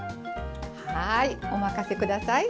はい、お任せください。